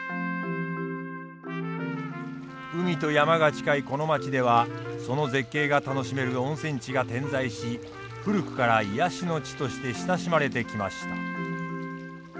海と山が近いこの町ではその絶景が楽しめる温泉地が点在し古くから癒やしの地として親しまれてきました。